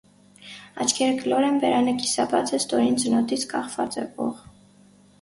Աչքերը կլոր են, բերանը կիսաբաց է՝ ստորին ծնոտից կախված է օղ։